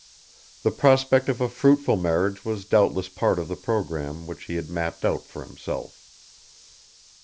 The prospect of a fruitful marriage was doubtless part of the programme which he had mapped out for himself.